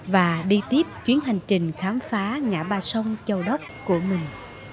và đi tiếp chuyến hành trình khám phá ngã ba sông châu đốc của mình